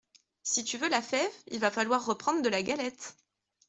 Si tu veux la fève, il va falloir reprendre de la galette.